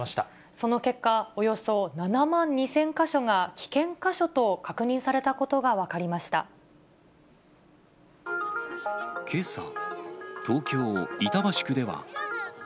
その結果、およそ７万２０００か所が危険箇所と確認されたことが分かりましけさ、東京・板橋区では。